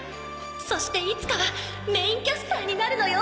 そしていつかはメインキャスターになるのよ